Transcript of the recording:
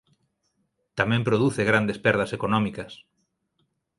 Tamén produce grandes perdas económicas.